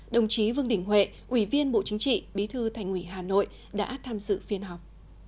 đồng chí vương đình huệ ủy viên bộ chính trị bí thư thành ủy hà nội đã tham dự phiên họp